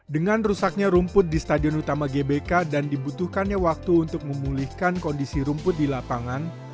dengan rusaknya rumput di stadion utama gbk dan dibutuhkannya waktu untuk memulihkan kondisi rumput di lapangan